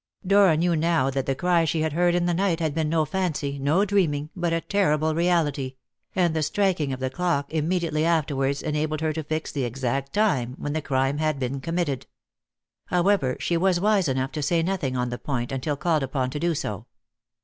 Dora knew now that the cry she had heard in the night had been no fancy, no dreaming, but a terrible reality; and the striking of the clock immediately afterwards enabled her to fix the exact time when the crime had been committed. However, she was wise enough to say nothing on the point until called upon to do so.